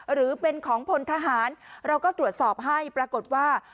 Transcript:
หรือเป็นของพลทหารเราก็ตรวจสอบให้ปรากฏว่า